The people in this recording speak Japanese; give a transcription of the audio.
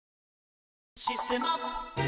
「システマ」